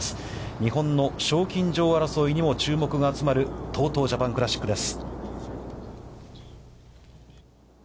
日本の賞金女王争いにも注目が集まるＴＯＴＯジャパンクラシックです。